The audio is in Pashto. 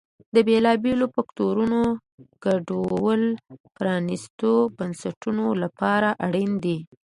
د بېلابېلو فکټورونو ګډوله پرانیستو بنسټونو لپاره اړین دي.